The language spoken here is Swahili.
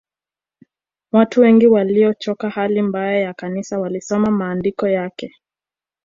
Watu wengi waliochoka hali mbaya ya Kanisa walisoma maandiko yake